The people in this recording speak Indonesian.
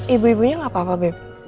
ibu ibunya gak apa apa beb